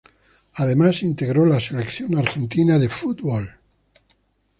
Además integró la Selección Argentina de Fútbol.